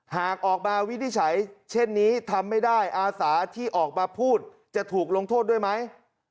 หากออกมาวินิจฉัยเช่นนี้ทำไม่ได้อาสาที่ออกมาพูดจะถูกลงโทษด้วยไหม